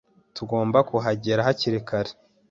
Tugomba kuhagera hakiri kare.